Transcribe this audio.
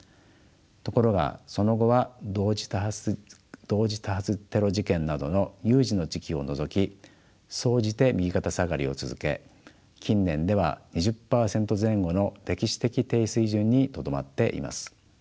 ところがその後は同時多発テロ事件などの有事の時期を除き総じて右肩下がりを続け近年では２０％前後の歴史的低水準にとどまっています。